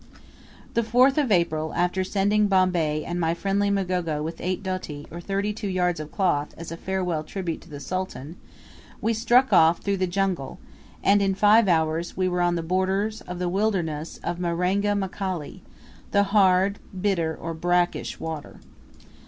The 4th of April, after sending Bombay and my friendly Mgogo with eight doti, or thirty two yards of cloth, as a farewell tribute to the Sultan, we struck off through the jungle, and in five hours we were on the borders of the wilderness of "Marenga Mkali" the "hard," bitter or brackish, water.